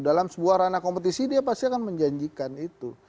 dalam sebuah ranah kompetisi dia pasti akan menjanjikan itu